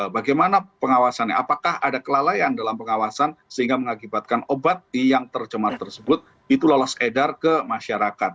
bagaimana pengawasannya apakah ada kelalaian dalam pengawasan sehingga mengakibatkan obat yang tercemar tersebut itu lolos edar ke masyarakat